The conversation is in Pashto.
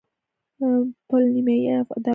پل نیمايي د افغانستان دی.